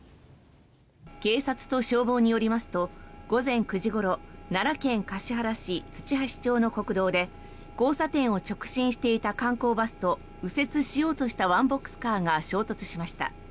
警察と消防によりますと午前９時ごろ奈良県橿原市土橋町の国道で交差点を直進していた観光バスと右折しようとしたワンボックスカーが衝突しました。